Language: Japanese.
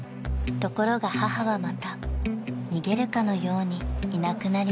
［ところが母はまた逃げるかのようにいなくなりました］